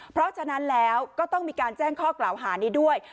เพราะฉะนั้นแล้วก็ต้องมีการแจ้งข้อกล่าวหานี้ด้วย